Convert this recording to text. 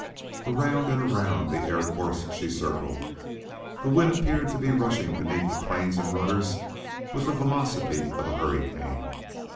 Around and around the air course she circled. The wind appeared to be rushing beneath the planes and rudders with the velocity of a hurricane.